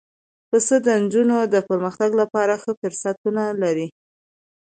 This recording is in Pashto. پسه د نجونو د پرمختګ لپاره ښه فرصتونه لري.